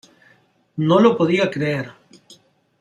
No lo podía creer".